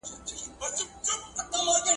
یو ټبر یو ټوله تور ټوله کارګان یو `